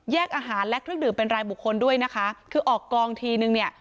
อาหารและเครื่องดื่มเป็นรายบุคคลด้วยนะคะคือออกกองทีนึงเนี่ย